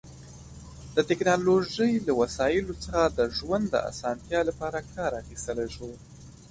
د ټیکنالوژی له وسایلو څخه د ژوند د اسانتیا لپاره کار اخیستلی شو